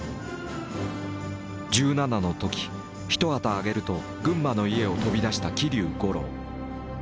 １７の時一旗揚げると群馬の家を飛び出した桐生五郎。